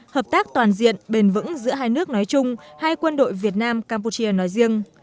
hợp tác toàn diện bền vững giữa hai nước nói chung hai quân đội việt nam campuchia nói riêng